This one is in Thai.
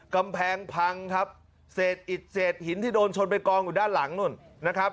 กำแพงพังครับเศษอิดเศษหินที่โดนชนไปกองอยู่ด้านหลังนู่นนะครับ